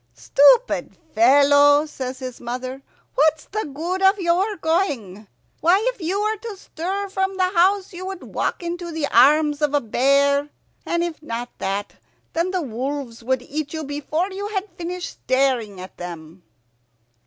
"Stupid fellow," says his mother, "what's the good of your going? Why, if you were to stir from the house you would walk into the arms of a bear; and if not that, then the wolves would eat you before you had finished staring at them."